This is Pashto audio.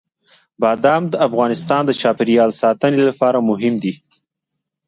بادام د افغانستان د چاپیریال ساتنې لپاره مهم دي.